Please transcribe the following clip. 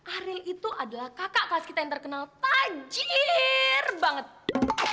ariel itu adalah kakak kelas kita yang terkenal tajir banget